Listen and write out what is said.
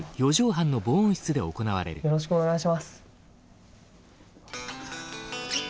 よろしくお願いします。